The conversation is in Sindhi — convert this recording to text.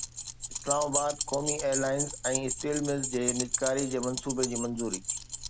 اسلام آباد قومي ايئر لائنز ۽ اسٽيل ملز جي نجڪاري جي منصوبي جي منظوري